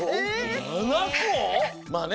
まあね